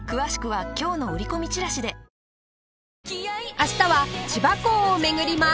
明日は千葉港を巡ります